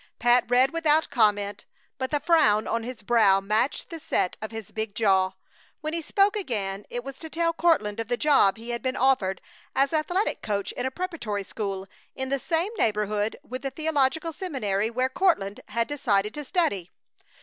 Pat read without comment, but the frown on his brow matched the set of his big jaw. When he spoke again it was to tell Courtland of the job he had been offered as athletic coach in a preparatory school in the same neighborhood with the theological seminary where Courtland had decided to study.